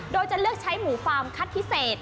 โดยจะเลือกใช้หมูฟาร์มคัดพิเศษ